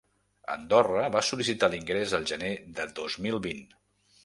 Andorra va sol·lictar l’ingrés el gener de dos mil vint.